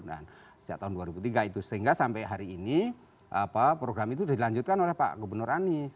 dan sejak tahun dua ribu tiga itu sehingga sampai hari ini program itu dilanjutkan oleh pak gubernur anies